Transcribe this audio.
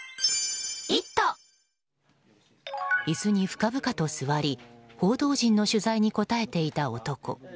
椅子に深々と座り報道陣の取材に答えていた男。